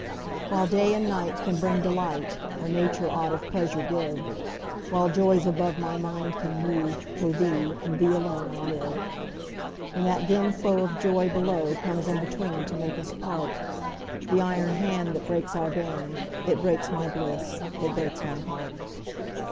"While day and night can bring delight, Or nature aught of pleasure give; While joys above my mind can move For thee, and thee alone I live: "When that grim foe of joy below Comes in between to make us part, The iron hand that breaks our band, It breaks my bliss it breaks my heart."